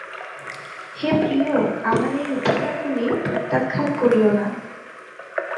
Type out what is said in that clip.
হে প্রিয়, আমার এই উপহারগুলি প্রত্যাখ্যান করিও না।